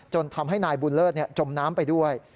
ทำให้นายบุญเลิศจมน้ำไปด้วย